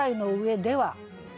「では」